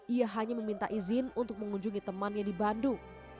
ia hanya meminta izin untuk mengunjungi temannya di bandung